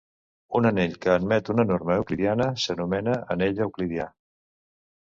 Un anell que admet una norma euclidiana s'anomena anell euclidià.